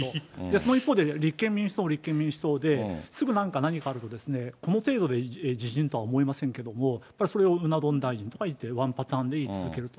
その一方で立憲民主党は立憲民主党で、すぐなんか、何かあると、この程度でじじんとは思いませんけれども、やっぱりそれをうな丼大臣とか言ってワンパターンで言い続けると。